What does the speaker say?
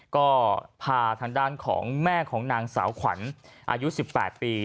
ก็พาทางด้านของแม่ของนางสาวขวัญอายุ๑๘ปี